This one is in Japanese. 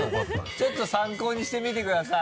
ちょっと参考にしてみてください。